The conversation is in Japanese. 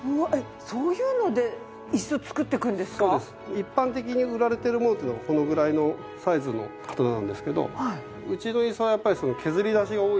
一般的に売られてるものっていうのがこのぐらいのサイズの刀なんですけど。